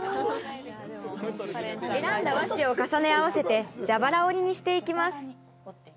選んだ和紙を重ね合わせて蛇腹折りにしていきます